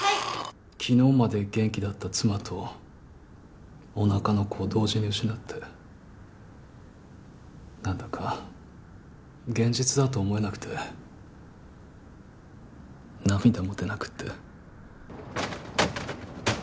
昨日まで元気だった妻とおなかの子を同時に失ってなんだか現実だと思えなくて涙も出なくって。